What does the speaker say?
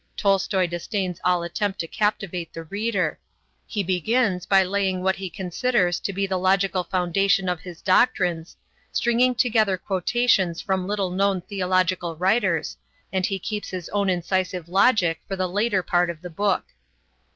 Tolstoi disdains all attempt to captivate the reader. He begins by laying what he considers to be the logical foundation of his doctrines, stringing together quotations from little known theological writers, and he keeps his own incisive logic for the later part of the book.